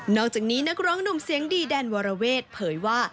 อกจากนี้นักร้องหนุ่มเสียงดีแดนวรเวทเผยว่า